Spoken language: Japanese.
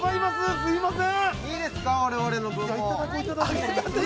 すいません。